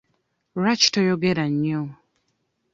Lwaki toyogera nnyo?